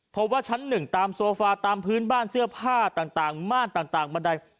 เพราะว่าชั้นหนึ่งตามโซฟาตามพื้นบ้านเสื้อผ้าต่างม่านต่างบันได